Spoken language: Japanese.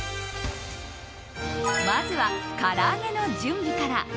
まずは、から揚げの準備から。